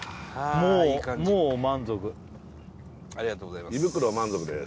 もうもう満足ありがとうございます